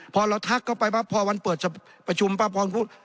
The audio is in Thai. พอเราทักเข้าไปปั๊บพอวันเปิดประชุมป้าพรพูด